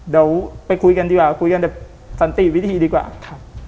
เดี๋ยวไปคุยกันดีกว่าคุยกันแบบสันติวิธีดีกว่าครับ